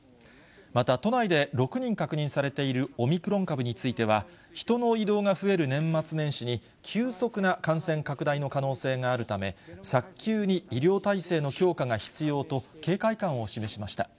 また都内で６人確認されているオミクロン株については、人の移動が増える年末年始に急速な感染拡大の可能性があるため、早急に医療体制の強化が必要と警戒感を示しました。